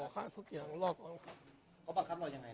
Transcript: ชาลุกพูดนะครับคุณผู้ชมครับคุณผู้ชมครับคราวนี้ชาลุกพูดนะ